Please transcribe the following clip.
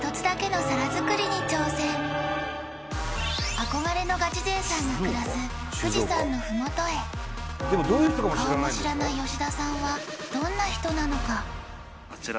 憧れのガチ勢さんが暮らす富士山の麓へ顔も知らない吉田さんはどんな人なのか？